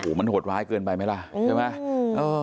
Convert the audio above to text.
มันโหดร้ายเกินไปไหมล่ะใช่ไหม